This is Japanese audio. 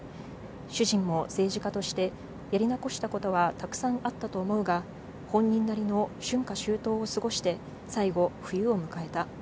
主人も政治家としてやり残したことはたくさんあったと思うが、本人なりの春夏秋冬を過ごして、最後、冬を迎えた。